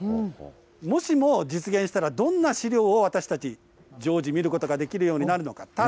もしも実現したら、どんな資料を私たち、常時見ることができるようになるのか。